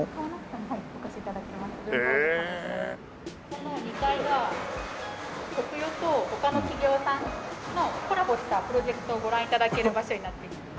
この２階がコクヨと他の企業さんのコラボしたプロジェクトをご覧頂ける場所になっています。